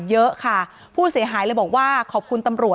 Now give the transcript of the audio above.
อ๋อเจ้าสีสุข่าวของสิ้นพอได้ด้วย